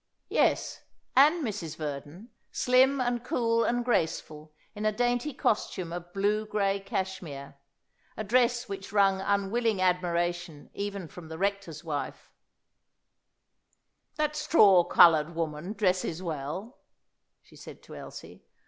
Yes; and Mrs. Verdon, slim and cool and graceful in a dainty costume of blue grey cashmere a dress which wrung unwilling admiration even from the rector's wife. "That straw coloured woman dresses well," she said to Elsie.